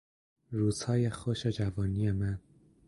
روزهای خوش جوانی من